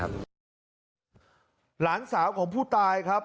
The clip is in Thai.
หลานสาวของผู้ตายครับ